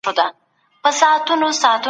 تاسي تل د خپلي روغتیا په پوره ارزښت پوهېږئ.